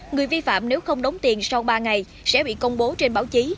người vi phạm nếu không đóng tiền sau ba ngày sẽ bị công bố trên báo chí